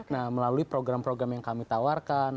nah melalui program program yang kami tawarkan